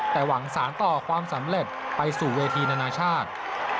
แต่หวังสารต่อความสำเร็จไปสู่เวทีนานาชาติ